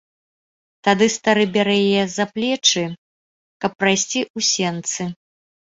Тады стары бярэ яе за плечы, каб прайсці ў сенцы.